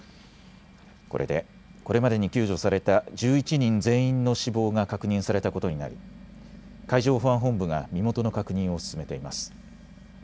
これでこれまでに救助された１１人全員の死亡が確認されたことになり海上保安本部が身元の確認を進めています。